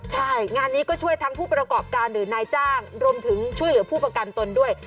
ใช่งานนี้ก็ช่วยทั้งผู้ประกอบการหรือนายจ้างรวมถึงช่วยเหลือผู้ประกันตนด้วย